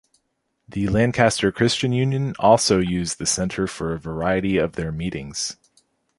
The Lancaster Christian Union also use the centre for a variety of their meetings.